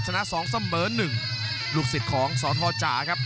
สองเสมอหนึ่งลูกศิษย์ของสทจ่าครับ